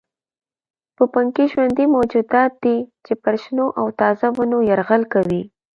پوپنکي ژوندي موجودات دي چې پر شنو او تازه ونو یرغل کوي.